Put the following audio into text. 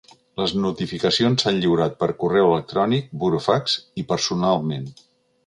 Les notificacions s’han lliurat per correu electrònic, burofax i personalment.